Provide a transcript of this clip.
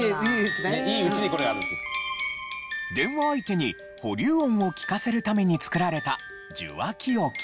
電話相手に保留音を聞かせるために作られた受話器置き。